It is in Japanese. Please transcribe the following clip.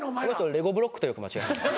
レゴブロックとよく間違えられます。